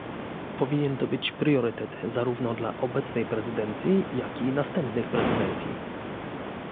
Powinien to być priorytet zarówno dla obecnej prezydencji, jak i następnych prezydencji